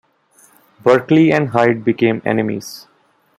Berkeley and Hyde became enemies.